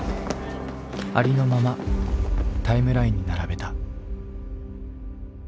ありのままタイムラインに並べた。